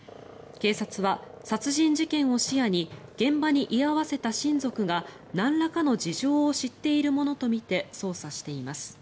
警察は殺人事件を視野に現場に居合わせた親族がなんらかの事情を知っているものとみて捜査しています。